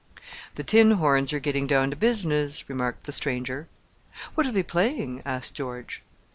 "The tin horns are getting down to business," remarked the stranger. "What are they playing?" asked George.